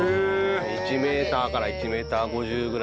１メーターから１メーター５０ぐらい。